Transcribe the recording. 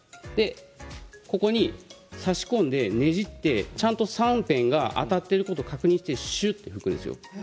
ここに差し込んで、ねじってちゃんと３辺が当たっていることを確認してしゅっと拭くんですよ。